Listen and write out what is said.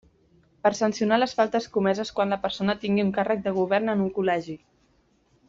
Per sancionar les faltes comeses quan la persona tingui un càrrec de govern en un col·legi.